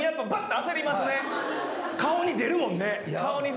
顔に出るもんね。